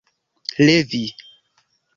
levi